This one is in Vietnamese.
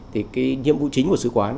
thì cái nhiệm vụ chính của sư quán